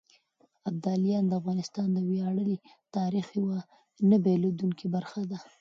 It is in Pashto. ابداليان د افغانستان د وياړلي تاريخ يوه نه بېلېدونکې برخه ده.